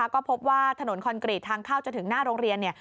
ก็พบว่าถนนคอนกรีตทางเข้าจะถึงหน้าโรงเรียนเนี่ย